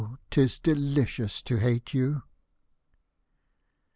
'tis delicious to hate you